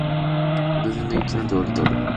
偶然の一致なんてわりとある